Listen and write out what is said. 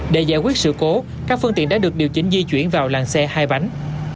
để giải quyết sự cố các phương tiện đã được điều chỉnh di chuyển vào làng xe hai bánh